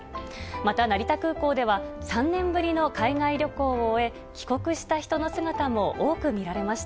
また成田空港では、３年ぶりの海外旅行を終え、帰国した人の姿も多く見られました。